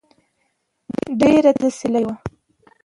ډېره تېزه سيلۍ وه